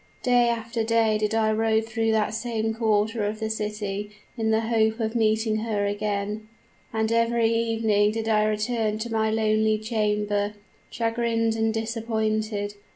"Day after day did I rove through that same quarter of the city in the hope of meeting her again; and every evening did I return to my lonely chamber, chagrined and disappointed.